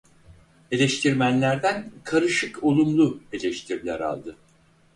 Eleştirmenlerden karışık-olumlu eleştiriler aldı.